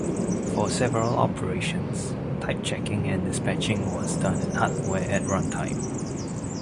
For several operations, type checking and dispatching was done in hardware at runtime.